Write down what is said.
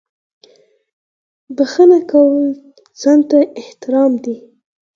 • بښنه کول ځان ته احترام دی.